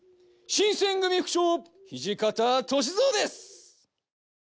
新選組副長土方歳三です！